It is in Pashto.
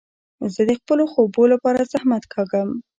زه د خپلو خوبو له پاره زحمت کاږم.